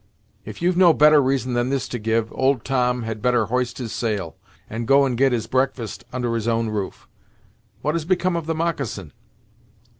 If you've no better reason than this to give, old Tom had better hoist his sail, and go and get his breakfast under his own roof. What has become of the moccasin?"